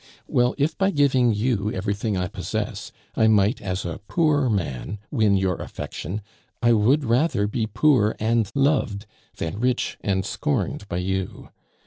Well, if by giving you everything I possess I might, as a poor man, win your affection, I would rather be poor and loved than rich and scorned by you.